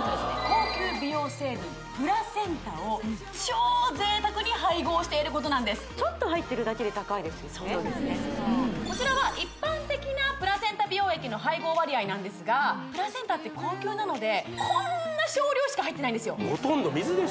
高級美容成分プラセンタを超贅沢に配合していることなんですちょっと入ってるだけで高いですよねこちらは一般的なプラセンタ美容液の配合割合なんですがプラセンタって高級なのでこんな少量しか入ってないんですよほとんど水ですよ